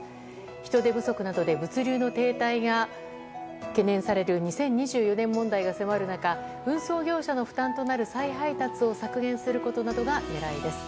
人手不足などで物流の停滞が懸念される２０２４年問題が迫る中運送業者の負担となる再配達を削減することなどが狙いです。